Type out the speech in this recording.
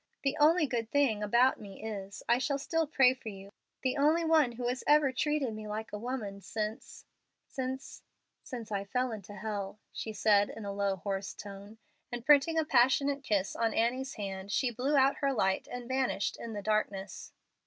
The only good thing about me is, I shall still pray for you, the only one who has ever treated me like a woman since since since I fell into hell," she said in a low, hoarse tone, and printing a passionate kiss on Annie's hand, she blew out her light, and vanished in the darkness.